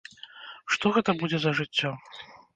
Што гэта будзе за жыццё?